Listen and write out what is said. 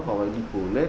bahwa ini boleh